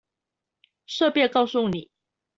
順便告訴你